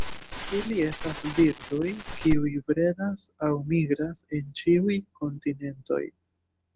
Ili estas birdoj kiuj bredas aŭ migras en ĉiuj kontinentoj.